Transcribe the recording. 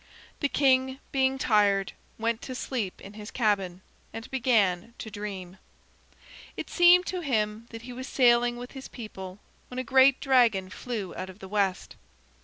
The king, being tired, went to sleep in his cabin, and began to dream. It seemed to him that he was sailing with his people when a great dragon flew out of the west.